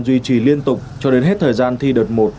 duy trì liên tục cho đến hết thời gian thi đợt một